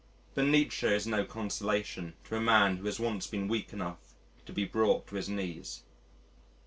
But Nietzsche is no consolation to a man who has once been weak enough to be brought to his knees.